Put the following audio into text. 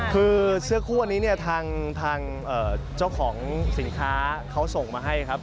คือเสื้อคู่อันนี้เนี่ยทางเจ้าของสินค้าเขาส่งมาให้ครับ